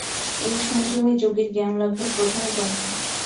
এই সংযমই যোগীর জ্ঞানলাভের প্রধান যন্ত্র।